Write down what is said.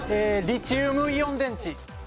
リチウムイオン電池。